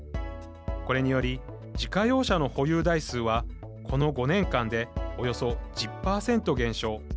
これにより自家用車の保有台数はこの５年間でおよそ１０％減少。